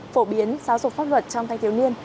phổ biến giáo dục pháp luật trong thanh thiếu niên